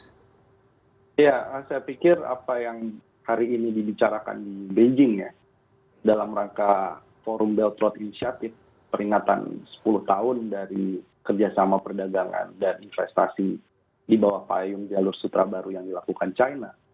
ya saya pikir apa yang hari ini dibicarakan di beijing ya dalam rangka forum belt road initiative peringatan sepuluh tahun dari kerjasama perdagangan dan investasi di bawah payung jalur sutra baru yang dilakukan china